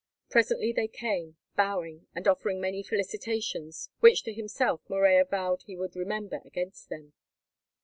Presently they came, bowing, and offering many felicitations, which to himself Morella vowed he would remember against them.